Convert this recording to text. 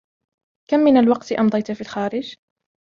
كم من الوقت أمضيت في الخارج ؟